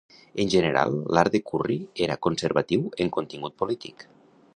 En general, l'art de Curry era conservatiu en contingut polític.